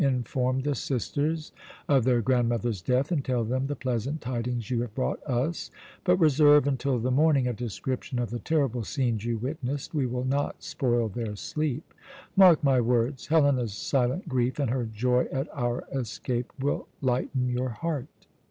Inform the sisters of their grandmother's death, and tell them the pleasant tidings you have brought us, but reserve until the morning a description of the terrible scenes you witnessed. We will not spoil their sleep. Mark my words! Helena's silent grief and her joy at our escape will lighten your heart."